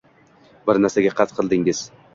Bir narsaga qasd qildingiz.